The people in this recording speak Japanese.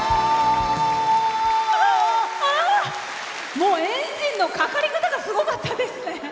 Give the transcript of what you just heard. もうエンジンのかかり方がすごかったですね。